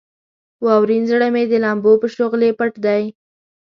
واورین زړه مې د لمبو په شغلې پټ دی.